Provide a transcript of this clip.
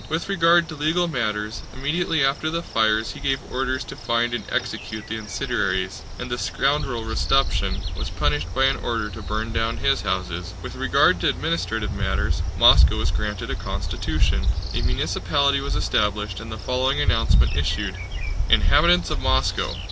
With regard to legal matters, immediately after the fires he gave orders to find and execute the incendiaries. And the scoundrel Rostopchín was punished by an order to burn down his houses. With regard to administrative matters, Moscow was granted a constitution. A municipality was established and the following announcement issued: INHABITANTS OF MOSCOW!